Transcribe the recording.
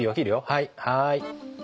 はいはい。